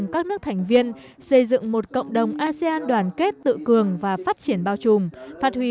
các nước thành viên xây dựng một cộng đồng asean đoàn kết tự cường và phát triển bao trùm phát huy